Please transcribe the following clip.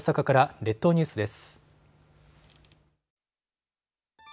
列島ニュースです。